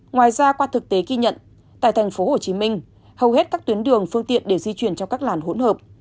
ngoài ra qua thực tế ghi nhận tại tp hcm hầu hết các tuyến đường phương tiện đều di chuyển trong các làn hỗn hợp